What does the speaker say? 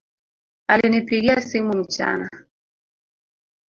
Alinipigia simu mchana